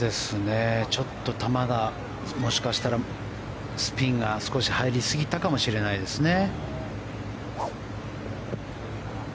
ちょっと球がもしかしたらスピンが少し入りすぎたかもしれないですね。